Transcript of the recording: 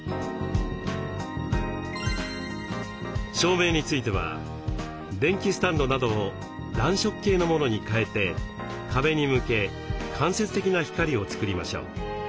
照明については電気スタンドなどを暖色系のものに替えて壁に向け間接的な光を作りましょう。